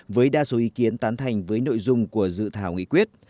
với đa số ý kiến tán thành với nội dung của dự thảo nghị quyết